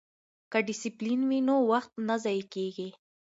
که ډسپلین وي نو وخت نه ضایع کیږي.